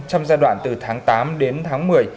trong giai đoạn từ tháng tám đến tháng một mươi